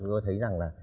tôi thấy rằng là